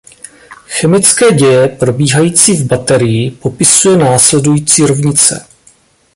Chemické děje probíhající v baterii popisuje následující rovnice.